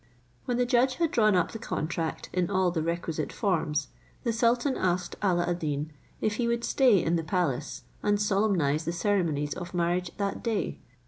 When the judge had drawn up the contract in all the requisite forms, the sultan asked Alla ad Deen if he would stay in the palace, and solemnize the ceremonies of marriage that day.